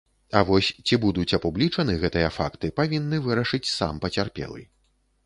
А вось ці будуць апублічаны гэтыя факты павінны вырашыць сам пацярпелы.